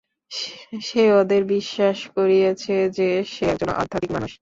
সে ওদের বিশ্বাস করিয়েছে যে সে একজন আধ্যাত্মিক মানুষ।